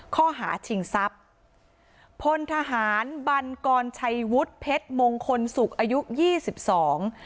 ข้อหาชิงทรัพย์พลทหารบันกรชัยวุฒิเพชรมงคลสุขอายุยี่สิบสอง